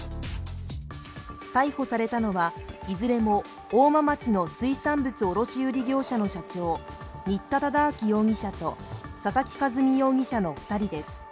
逮捕されたのはいずれも大間町の水産物卸売業者の社長新田忠明容疑者と佐々木一美容疑者の２人です。